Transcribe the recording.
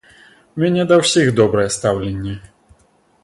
У мяне да ўсіх добрае стаўленне.